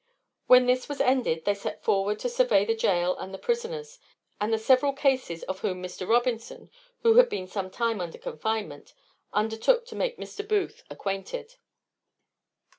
When this was ended they set forward to survey the gaol and the prisoners, with the several cases of whom Mr. Robinson, who had been some time under confinement, undertook to make Mr. Booth acquainted.